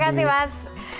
terima kasih mas